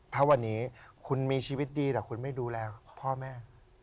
ถ้าวันนี้คุณมีชีวิตดีแต่คุณไม่ดูแลพ่อแม่